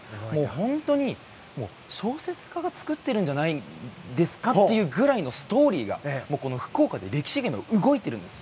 本当に小説家が作っているんじゃないんですか？というぐらいのストーリーが福岡で歴史が動いているんです。